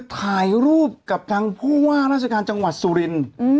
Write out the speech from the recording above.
ถ่ายรูปกับทางผู้ว่าราชการจังหวัดสุรินทร์